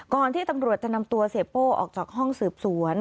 ที่ตำรวจจะนำตัวเสียโป้ออกจากห้องสืบสวน